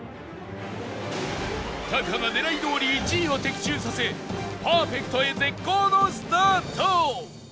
タカが狙いどおり１位を的中させパーフェクトへ絶好のスタート